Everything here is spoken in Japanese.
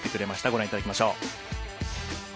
ご覧いただきましょう。